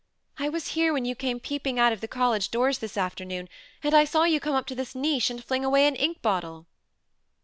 "I was here when you came peeping out of the college doors this afternoon, and I saw you come up to this niche, and fling away an ink bottle."